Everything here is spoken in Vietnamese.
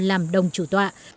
làm đồng chủ tọa